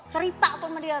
cerita tuh sama dia